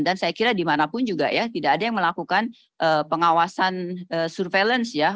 dan saya kira dimanapun juga ya tidak ada yang melakukan pengawasan surveillance ya